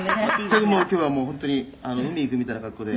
「全く今日はもう本当に海行くみたいな格好で」